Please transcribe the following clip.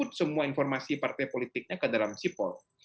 nah itu bisa menyebut semua informasi partai politiknya ke dalam sipol